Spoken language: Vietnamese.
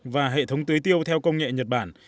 và hệ thống tưới tiêu theo công nghệ nhật bản